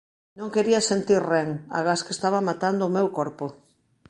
Non quería sentir ren, agás que estaba matando o meu corpo.